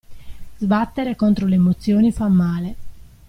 Sbattere contro le emozioni fa male.